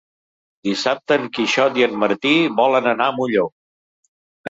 Dissabte en Quixot i en Martí volen anar a Molló.